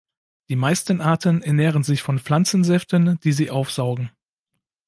Die meisten Arten ernähren sich von Pflanzensäften, die sie aufsaugen.